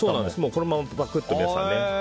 このままパクっと皆さんね。